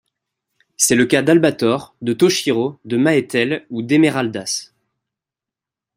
C'est le cas d'Albator, de Toshiro, de Maetel ou d'Emeraldas.